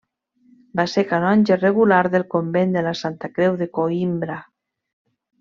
Va ser canonge regular del convent de la Santa Creu de Coïmbra.